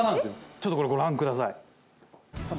ちょっとこれご覧くださいさあ